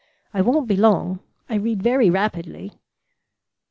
I won't be long; I read very rapidly."